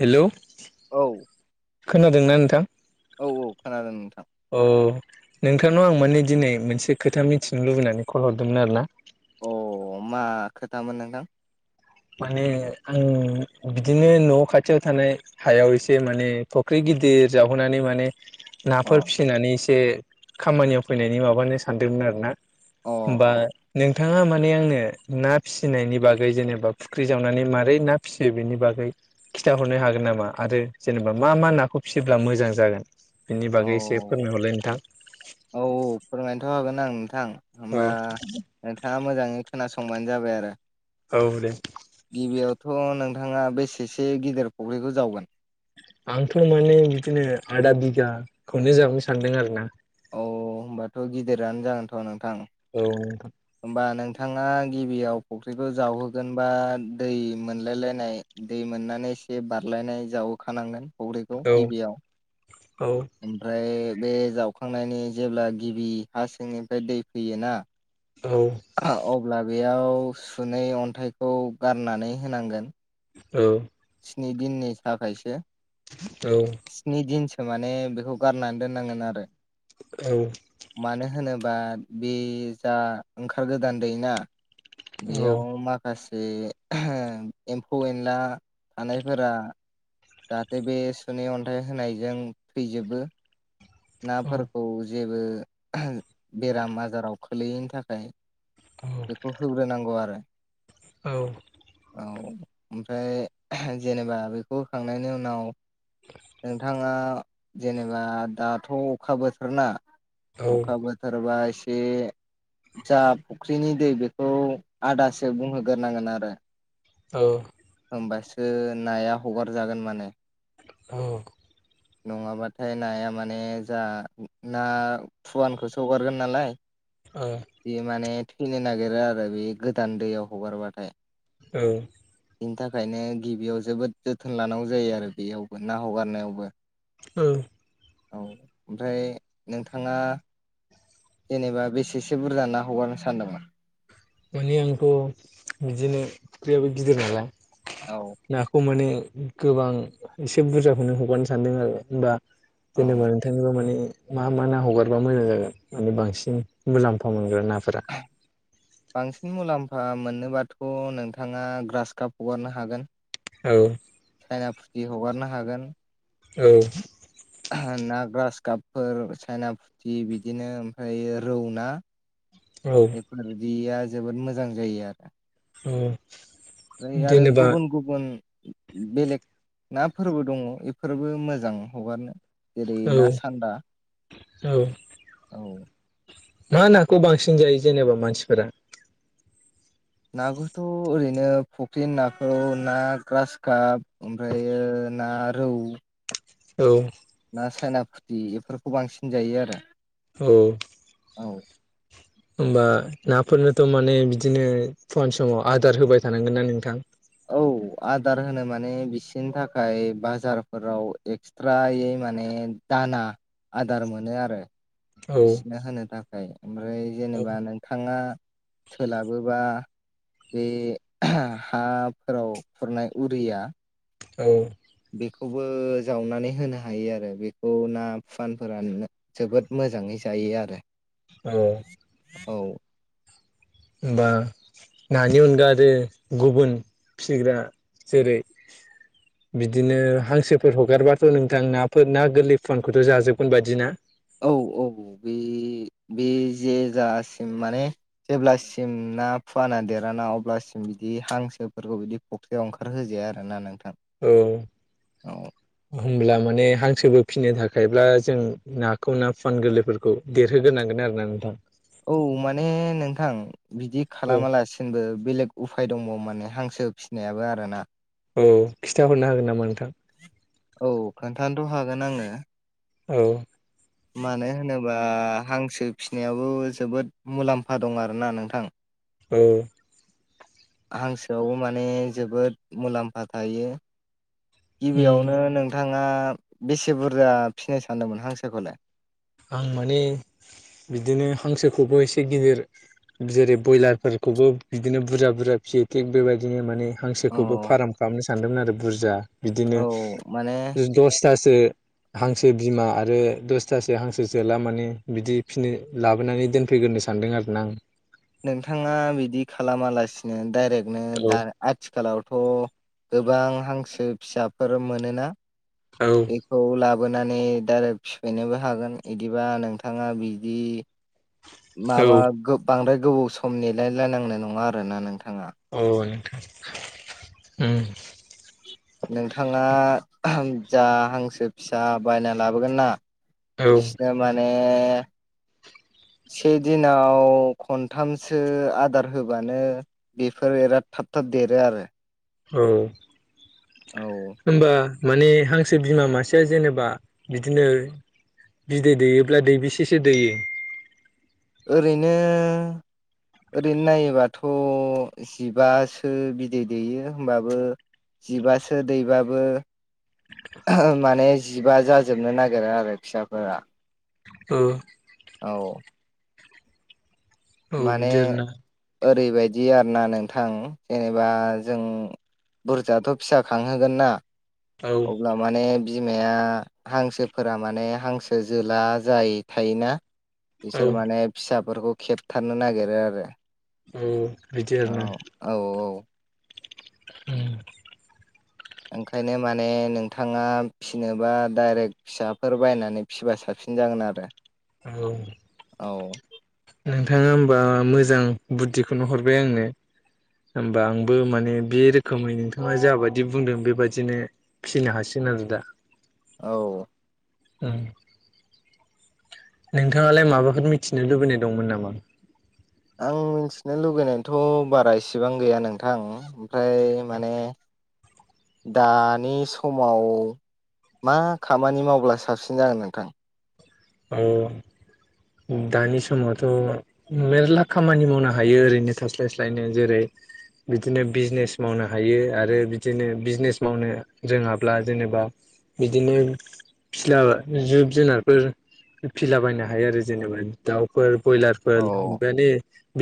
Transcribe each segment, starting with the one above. Hello. औ। खोनादोंना नोंथां? औ औ खोनादों नोंथां औ नोंथांनाव आं माने दिनै मोनसे खोथा मिथिनो लुबैनानै कल हरदोंमोन आरोना। अ मा खोथामोन नोंथां? माने आं बिदिनो न खाथियाव थानाय हायाव एसे माने फख्रि। गिदिर जावहोनानै माने अ नाफोर फिसिनानै एसे। खामानियाव फैनायनि माबानो सानदोंमोन आरो ना। अ होमबा नोंथाङा माने आंनो ना फिसिनायनि बागै जेनेबा। फुख्रि जावनानै मारै ना फिसियो बेनि बागै खिथाहरनो हागोन नामा आरो जेनेबा मा मा नाखौ? फिसियोब्ला मोजां जागोन बेनि औ बागै एसे फोरमायहरलाय नोंथां। ओं नोंथां होमबा औ नोंथाङा मोजाङै खोनासंबानो जाबाय आरो। औ दे। थ नोंथाङा बेसेसो गिदिर फख्रिखौ जावगोन? आंथ माने बिदिनो आदा बिगाखौनो जाहनो सानदों आरो ना। औ होमबाथ गिदिरानो जागोनथ नोंथां औ नोंथां होमबा नों थाङा गिबियाव फख्रिखौ जावहोगोनबा दै मोनलाय लायनाय दै मोननानै। एसे बारलायनाय जावहोखानांगोन फख्रिखौ औ गिबियाव। औ ओमफ्राय। बे जावखांनायनि जेब्ला गिबि हा सिंनिफ्राय दै फैयोना। औ अब्ला बेयाव सुनै अन्थाइखौ गारनानै होनांगोन। औ। स्नि दिननि थाखायसो औ स्नि दिनसो। माने बेखौ गारनानै दोननांगोन आरो मानो होनोबा। बे जा ओंखार गोदान दै ना औ औ बेयाव माखासे। ए एम्फौ-एनला। थानायफोरा जाहाथे बे सुनै अन्थाइ होनायजों थैजोबो। नाफोरखौ जेबो बेराम आजाराव खोलैयैनि थाखाय। बेखौ होग्रोनांगौ आरो। औ। औ ओमफ्राय जेनेबा बेखौ होखांनायनि उनाव। नोंथाङा जेनेबा दाथ अखा बोथोर ना। अखा बोथरबा एस [unintelligible] जा फख्रिनि दै बेखौ आदासो बुंहोगोरनांगोन आरो। औ। होमबासो नाया हगारजागोन माने। औ। नङाबाथाय नाया माने जा ना फुवानखौसो हगारगोन नालाय औ बे माने थैनो नागिरो आरो बे गोदान दैयाव हगारबाथाय। औ। बेनि थाखायनो गिबियाव जोबोद जोथोन लानांगौ जायो आरो बेयावबो ना हगारनायावबो। औ। औ ओमफ्राय नोंथाङा जेनेबा बेसेसो बुरजा ना हगारनो सानदोंमोन' माने आंथ' बिदिनो फुख्रियाबो गिदिर औ नालाय नाखौ माने गोबां एसे बुरजाखौनो हगारनो सानदों आरो होनबा औ जेनेबा नोंथांनिबो माने मा मा ना हगारबा मोजां जागोन माने बांसिन मुलाम्फा मोनगोन नाफोरा बांसिन मुलाम्फा मोनोबाथ' नोंथाङा ग्रास काप हगारनो हागोन औ। चाइना फुथि हगारनो हागोन औ। ना ग्रास गाबफोर साइना फुथि बिदिनो ओमफ्राय रौ ना औ बेफोरदिया जोबोद मोजां जायो आरो औ। ओमफ्राय आरो जेनेबा गुबुन गुबुन बेलेग नाफोरबो दङ बेफोरबो मोजां हगारनो जेरै औ ना सान्दा औ औ मा नाखौ बांसिन जायो जेनेबा मानसिफोरा नाखौथ' ओरैनो फुख्रिनि नाखौ ना ग्रास कप ओमफ्रायो ना रौ। औ। ना सायना फुथि इफोरखौ बांसिन जायो आरो औ। औ होमबा नाफोरनोथ' माने बिदिनो फवान समाव आदार होबाय थानांगोन ना नोंथां' औ आदार होनो माने बिसिोरनि थाखाय बाजारफोराव एक्सट्रायै माने दाना आदार मोनो आरो औ बिसिनो होनो थाखाय ओमफ्राय औ जेनेबा नोंथाङा सोलाबोबा बे ओहा हाफोराव खुरनाय उरिया औ। बेखौबो जावनानै होनो हायो आरो बेखौ ना फुवानफोरा जोबोद मोजां मोजाङै जायो आरो औ। औ। होमबा नानि अनगा आरो गुबुन फिसिग्रा जेरै बिदिनो हांसोफोर हगारबाथ' नोंथां नाफोर ना गोरलै फुवानखौथ' जाजोबगोन बायदि ना औ औ बे बे जेजासिम माने जेब्लासिम ना फुवाना देराना अब्लासिम बिदि हांसोफोरखौ बिदि फख्रियाव ओंखार होजाया जाया आरो ना नोंथां औ। अ। होमब्ला माने हांसोबो फिनो थाखायब्ला जों नाखौ ना फुवान गोरलैफोरखौ देरहोगोन नांगोन आरो ना नोंथां औ माने नोंथां बिदि औ खालामालासेनबो बेलेग उफाय दंबावो माने हांसो फिसिनायाबो आर ना औ खिन्थाहरनो हागोन नामा नोंथां? औ खोन्थानोथ' हागोन आङो औ मानो होनोबा हांसो फिनायाबो जोबोद मुलाम्फा दं आरोना नोंथां। औ हांसोआवबो माने जोबोद मुलाम्फा थायो गिबियावनो उम नोंथाङा बेसे बुरजा फिनो सानदोंमोन हांसोखौलाय? आं माने बिदिनो हांसोखौबो एसे गिदिर जेरै बयलारफोर खौबो बिदिनो बुरजा-बुरजा फियै थिक बेबाय दिनो माने औ हांसोखौबो फार्म खालामनो सानदोंमोन आरो बुरजा बिदिनो औ माने दस थासो हांसो बिमा आरो दसथा सो हांसो जोला माने बिदि फिनो लाबोनानै दोनफैग्रोनो सानदों आरोना नोंथाङा बिदि खालामालासिनो डाइरेक्टनो दा आथिखालावथ' गोबां हांसो फिसाफोर मोनोना औ बेखौ ला बोनानै दारेक्ट फिफैनोबो हागोन बिदिबा नोंथाङा बिदि औ माबा गो बांद्राय गोबाव सम नेलायलायनांनाय नङा आरोना नोंथां। अ नोंथां उम नोंथाङा जा हांसो फिसा बायना लाबोगोन ना? औ बिसनो माने [inaudible] से दिनाव खनथामसो आदार होबानो बेफोर बिराद थाब थाब देरो आरो औ औ [inaudible] होनबा माने हांसो बिमा मासेया जेनेबा बिदिनो बिदै दैयोब्ला दै बेसेसो दैयो? ओरैनो ओरैनो नायोबाथ' जिबासो बिदै दैेयो होमबाबो जिबासो दैबाबो माने जिबा जाजोबनो नागिरो आरो फिसाफोरा औ औ औ माने बिदि आरोना ओरैबायदि आर ना नोंथां जेनेबा जों बुरजाथ' फिसा खांहोगोन ना औ अब्ला माने बिमाया हांसोफोरा माने हांसो जोला जायि थायोना औ बिसोर माने फिसाफोरखौ खेबथारनो नागिरो आरो औ बिदि औ आरोना औ औ उम ओंखायनो माने नोंथाङा फिसिनोबा डाइरेक्ट फिसाफोर बायनानै फिसिबा साब सिन जागोन आरो औ औ नोंथाङा होमबा मोजां बुद्धिखौनो हरबाय आंनो होमबा आंबो माने बे रोखोमै नोंथाङा जाबायदि बुंदों बेबादिनो फिसिनो हासि नंगौ दा औ उम नोंथाङालाय माबाफोर मिथिनो लुबैनाय दंमोन नामा? आं मिथिनो लगैनायथ' बारा इसिबां गैया नोंथां ओमफ्राय माने दानि समाव मा खामानि मावब्ला साबसिन जागोन नोंथां औ दानि समावथ' मेर्ला खामानि मावनो हायो ओरैनो थास्लायस्लायनो जेरै बिदिनो बिजनेस मावनो हायो आरो बिदिनो बिजनेस मावनो रोङाब्ला जेनेबा बिदिनो फिला जिब जुनारफोर फिला बायनो हायो आरो जेनेबा दाउफोर बयलारफोर औ बेबादि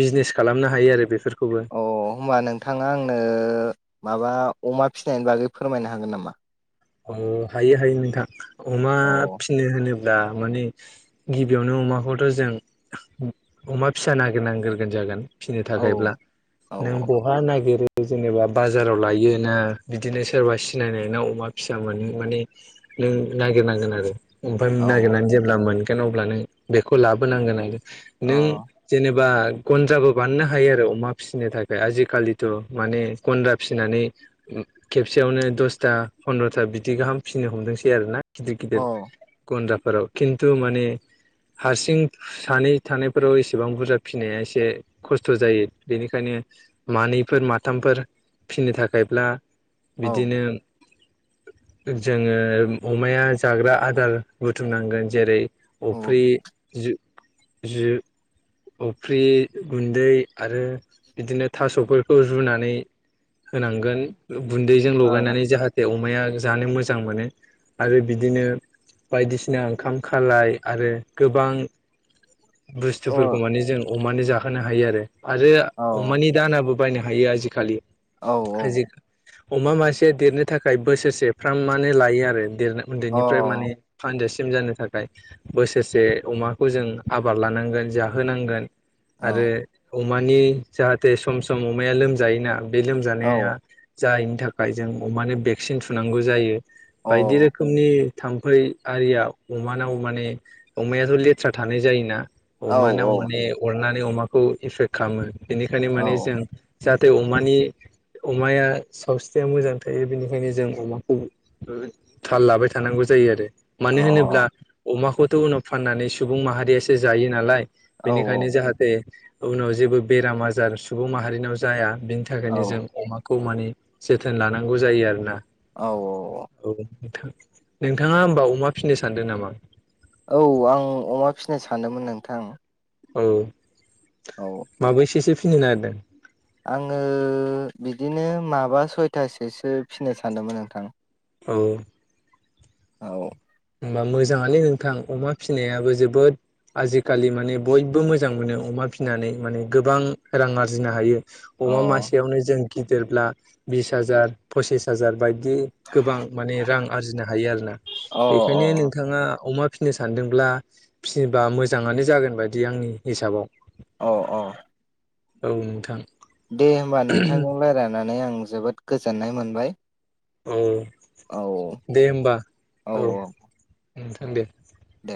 बिजनेस खालामनो हायो आरो बेफोरखौ अ होनोमबा नोंथाङा आंनो माबा अमा फिसिनायनि बागै फोरमायनो हागोन नामा अ हायो हायो नोंथां अमा औ फिनो होनो बा माने गिबियावनो अमाखौथ' जों अमा फिसा नागिरनांग्रोगोन जागोन फिनो औ थाखायब्ला औ नों बहा नागिरो जेनेबा बाजाराव लायो ना बिदिनो सोरबा सिनायनायनाव अमा फिसा मोनो माने नों नागिरनांगोन आरो ओमफ्राय औ औ नागिरनानै जेब्ला मोनगोन अब्ला नों बेखौ लाबोनांगोन आरो नों जेनेबा गन्द्राबो बानायनो हायो आरो अमा फिसिनो थाखाय आजिखालिथ' माने गन्द्रा फिनानै खेबसेयावनो दसथा फन्द्रथा बिदि गाहाम फिनो हमदोंसै आरो ना गिदिर अ गिदिर गन्द्रा फोराव खिनथु माने हारसिं सानै थानायफोराव एसेबां बुरजा फिसिनाया एसे खस्थ' जायो बेनिखायनो मानैफोर माथामफोर फिनो थाखायब्ला औ बिदिनो जोङो अमाया जाग्रा आदार बुथुमनांगोन जेरै औ ओ अफ्रि जु जु अफ्रि गुन्दै आरो बिदिनो थास'फोरखौ रुनानै होनांगोन गुन्दैजों अ लगायनानै जाहाथे अ अमाया जानो मोजां मोनो आरो बिदिनो बायदिसिना ओंखाम खालाय आरो गोबां औ बुस्थुफोरखौ माने जों अमानो जाखोनो हायो आरो आरो औ अमानि दानाबो बायनो हायो आजिखालि औ औ आजि अमा मासे देरनो थाखाय बोसोरसेफ्राम मानो लायो आरो देरनो औ अ औ उन्दैनिफ्राय माने फानजासेमाव सिम जानो थाखाय बोसोरसे अमाखौ जों आबाद लानांगोन जाहोनांगोन आरो अमानि जाहाथे सम सम अमाया लोमजायोनां बे औ अ औ लोमजानाया जायैनि थाखाय जों अमानो भेक्सिन थुनांगौ जायो बायदि रोखोमनि थाम्फै आरिया अमानाव माने अमायाथ' लेथ्रा थानाय जायोना औ अमानाव माने अरनानै अमाखौ एफेक्ट खालामो बेनिखायनो औ माने जों जाहाथे अमानि अमाया सावस्रिया मोजां थायो बेनिखायनो जों अमाखौ थाल लाबाय थानांगौ जायो आरो मानो होनोब्ला अमाखौथ' उनाव फाननानै सुबुं माहारियासो जायो नालाय बेनिखायनो जाहाथे उनाव जेबो बेराम आजार सुबुं माहारिनाव जाया बिनि थाखायनो जों अमाखौ माने जोथोन लानांगौ जायो आरोना औ औ औ नोंथाङा होमबा अमा फिनो सानदों नामा औ आं अमा फिनो सानदोंमोन नोंथां औ औ माबैसेसो फिनो नागिरदों आङो बिदिनो माबा सयथासोसो फिनो सानदोंमोन नोंथां औ औ होमबा मोजाङानो नोंथां अमा फिसिनायाबो जोबोद आजिखालि माने बयबो मोजां मोनो अमा फिनानै माने गोबां रां आरजिनो हायो। अ अमा मासेयावनो जों गिदिरब्ला बिस हाजार फसिस हाजार बाय दि गोबां माने रां आरजिनो हायो आरोना अ बेखायनो नोंथाङा अमा फिनो सानदोंब्ला फिबा मोजाङानो जागोन बायदि आंनि हिसाबाव अ अ औ नोंथां। दे होमबा नोंथांजों रायज्लायनानै आं जोबोद गोजोननाय मोनबाय औ औ दे होनबा औ नोंथां दे दे